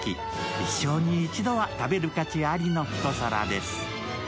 一生に一度は食べる価値ありの一皿です。